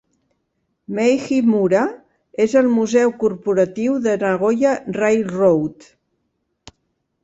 Meiji Mura és el museu corporatiu de Nagoya Railroad.